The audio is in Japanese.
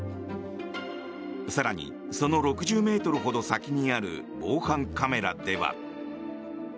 更に、その６０ｍほど先にある防犯カメラでは。